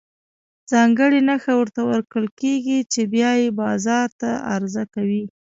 ځانګړې نښه ورته ورکول کېږي چې بیا یې بازار ته عرضه کوي.